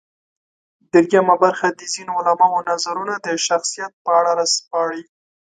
درېیمه برخه د ځينې عالمانو نظرونه د شخصیت په اړه راسپړي.